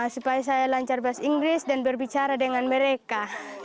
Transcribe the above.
supaya saya lancar bahasa inggris dan berbicara dengan mereka